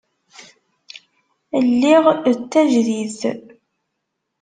Lliɣ d tajdidt.